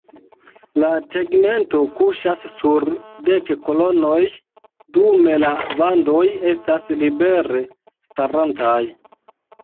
La tegmento kuŝas sur dek kolonoj dume la vandoj estas libere starantaj.